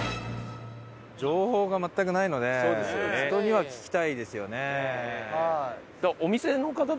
情報が全くないので人には聞きたいですよね。